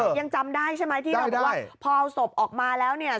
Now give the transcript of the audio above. ยังจำได้ใช่ไหมที่เราบอกว่าพอเอาศพออกมาแล้วเนี่ย